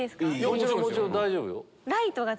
もちろんもちろん大丈夫よ。